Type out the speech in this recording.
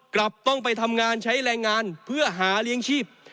กลับต้องไปทำงานใช้แรงงานเพื่อหาเลี้ยงชีพ